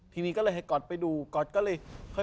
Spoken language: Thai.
ทีนี้ก็เลยให้ก๊อตไปดูก๊อตก็เลยเฮ้ย